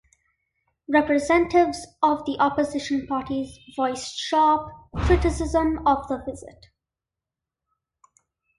Representatives of opposition parties voiced sharp criticism of the visit.